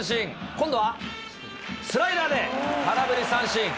今度はスライダーで空振り三振。